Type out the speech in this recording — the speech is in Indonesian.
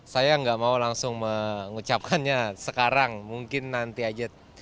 saya nggak mau langsung mengucapkannya sekarang mungkin nanti aja